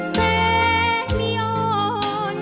แสงนี่อ่อน